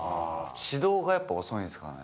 始動がやっぱ遅いんですかね。